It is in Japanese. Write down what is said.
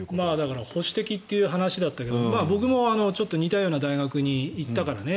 保守的という話だったけど僕も似たような大学に行ったからね。